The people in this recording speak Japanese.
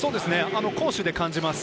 攻守で感じます。